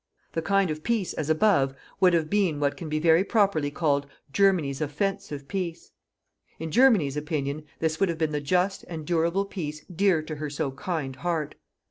The kind of peace as above would have been what can be very properly called Germany's "OFFENSIVE PEACE." In Germany's opinion this would have been the just and durable peace dear to her so kind heart.